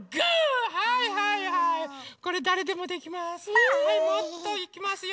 はいもっといきますよ。